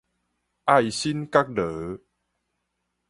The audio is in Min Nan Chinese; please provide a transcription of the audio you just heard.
愛新覺羅